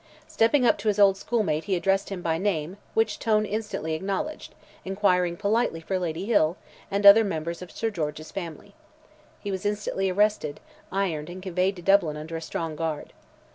Stepping up to his old schoolmate he addressed him by name, which Tone instantly acknowledged, inquiring politely for Lady Hill, and other members of Sir George's family. He was instantly arrested, ironed, and conveyed to Dublin under a strong guard.